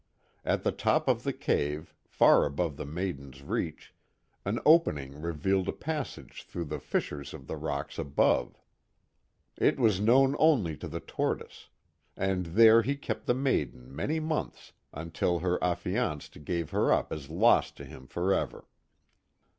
At the top of the cave, far above the maiden's reach, an opening revealed a passage through the fissures of the rocks above, it was known only to the Tortoise; and there he kept the maiden many months, until her affianced gave her up as lost to him forever.